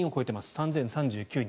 ３０３９人。